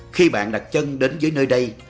khi bạn đặt chân đến với nơi đây